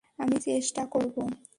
আমি চেষ্টা করব।